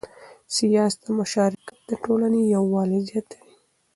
سیاسي مشارکت د ټولنې یووالی زیاتوي